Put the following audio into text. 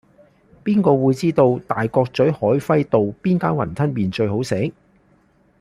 邊個會知道大角咀海輝道邊間雲吞麵最好食